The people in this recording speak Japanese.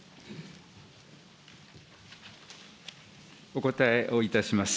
お答えをいたします。